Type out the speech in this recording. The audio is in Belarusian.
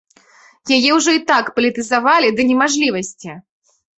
Яе ўжо і так палітызавалі да немажлівасці!